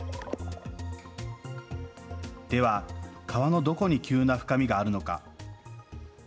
では川のどこに急な深みがあるのか。